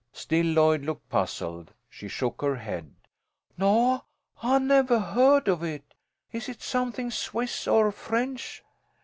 Still Lloyd looked puzzled. She shook her head. "No, I nevah heard of it. Is it something Swiss or French?"